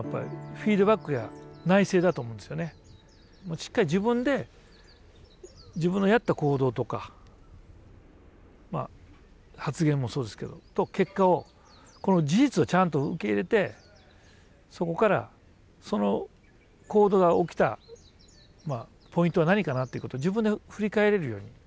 しっかり自分で自分のやった行動とか発言もそうですけど結果を事実をちゃんと受け入れてそこからその行動が起きたポイントは何かなということを自分で振り返れるように。